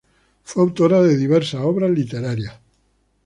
Fue autora de diversas obras literarias.